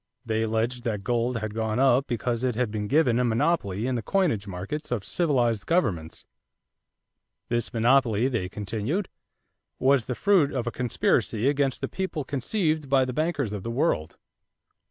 They alleged that gold had gone up because it had been given a monopoly in the coinage markets of civilized governments. This monopoly, they continued, was the fruit of a conspiracy against the people conceived by the bankers of the world.